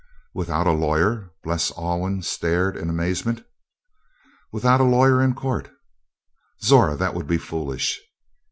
"Without a lawyer!" Bles Alwyn stared his amazement. "Without a lawyer in court." "Zora! That would be foolish!"